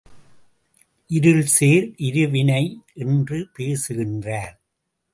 இருள் சேர் இருவினை என்று பேசுகின்றார்.